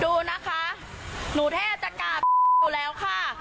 ดูนะคะหนูแทบจะกลับอยู่แล้วค่ะ